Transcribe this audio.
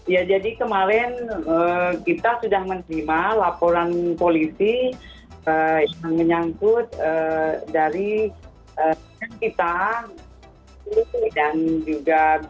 ya jadi kemarin kita sudah menerima laporan polisi yang menyangkut dari kita dan juga b